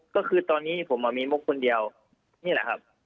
ก็คือตอนนี้ผมมีมุกคนเดียวนี่แหละครับ